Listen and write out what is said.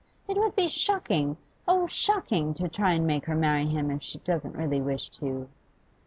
It would be shocking, oh! shocking, to try and make her marry him if she doesn't really wish to.